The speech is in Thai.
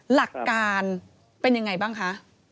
หลักการเป็นยังไงบ้างคะ